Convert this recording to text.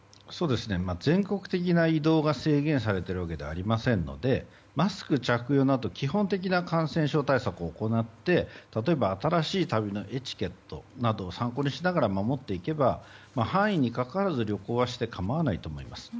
全国的な移動が制限されているわけではありませんのでマスク着用など基本的な感染症対策を行って例えば「新しい旅のエチケット」などを参考にしながら守っていけば範囲にかかわらず旅行はして構わないと思います。